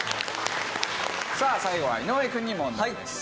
さあ最後は井上くんに問題です。